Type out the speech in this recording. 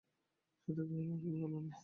সুচরিতা কহিল, আজ আমি ভালো নেই।